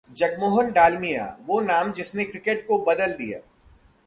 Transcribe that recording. जगमोहन डालमिया, वो नाम जिसने क्रिकेट को बदल दिया